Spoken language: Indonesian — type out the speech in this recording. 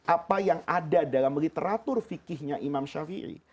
apa yang ada dalam literatur fikihnya imam syafi'i